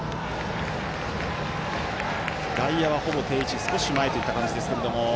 外野は、ほぼ定位置少し前といった感じですけれど。